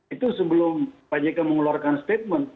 itu sebelum pak jk mengeluarkan statement